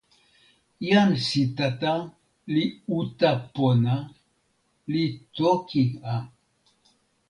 jan Sitata li uta pona, li toki a.